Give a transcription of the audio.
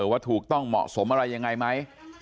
ว่าถูกต้องเหมาะสมอะไรยังไงไหม